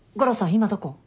今どこ？